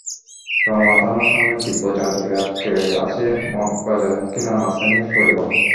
রমনা থানার সামনে তীব্র যানজটে আটকে আছে মগবাজারমুখী নানা শ্রেণির পরিবহন।